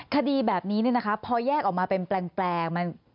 คดีแบบนี้พอแยกออกมาเป็นแปลง